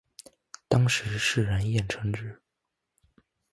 当时世人艳称之。